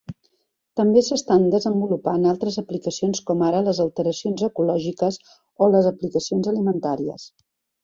També s'estan desenvolupant altres aplicacions com ara les alteracions ecològiques o les aplicacions alimentàries.